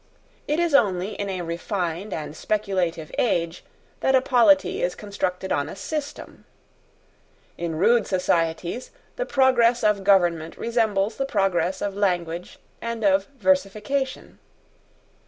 It is only in a refined and speculative age that a polity is constructed on system. In rude societies the progress of government resembles the progress of language and of versification.